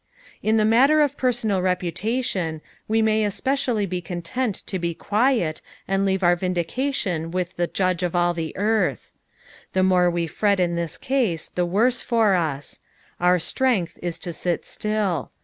In the matter of personal reputation we may especially be content to be quiet, and leave our vindication with the Judge of all the earth. The more we fret in this case the worse for us. Out strength is to sit still.